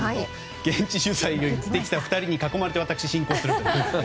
現地取材に行ってきた２人に囲まれて私、進行するということで。